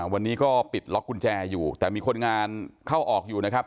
วันนี้ก็ปิดล็อกกุญแจอยู่แต่มีคนงานเข้าออกอยู่นะครับ